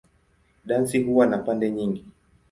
Dansi huwa na pande nyingi.